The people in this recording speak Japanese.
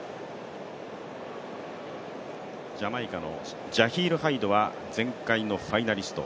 ジャマイカのジャヒール・ハイドは前回のファイナリスト。